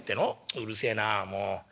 うるせえなもう。